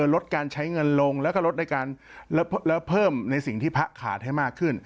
ลดการใช้เงินลงแล้วก็ลดในการเพิ่มในสิ่งที่พระขาดให้มากขึ้น